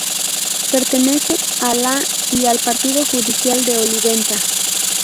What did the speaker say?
Pertenece a la y al Partido judicial de Olivenza.